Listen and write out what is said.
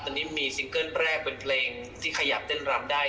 ตอนนี้มีซิงเกิ้ลแรกเป็นเพลงที่ขยับเต้นรำได้